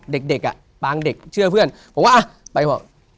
เด็กอ่ะปางเด็กเชื่อเพื่อนผมก็อ่ะไปบอก